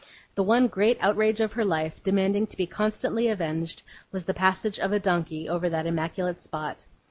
The one great outrage of her life, demanding to be constantly avenged, was the passage of a donkey over that immaculate spot.